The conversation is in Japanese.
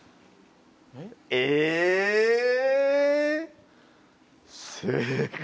えぇ⁉正解。